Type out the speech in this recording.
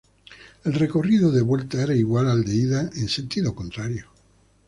El recorrido de vuelta era igual al de la ida en sentido contrario.